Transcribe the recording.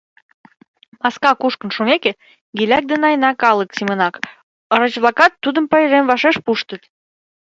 Маска кушкын шумеке, гиляк ден айна калык семынак, ороч-влакат тудым пайрем вашеш пуштыт.